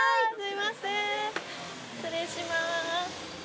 失礼します。